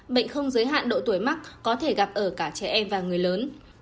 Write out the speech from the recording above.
bệnh không giới hạn độ tuổi mắc có thể gặp ở cả trẻ em và người lớn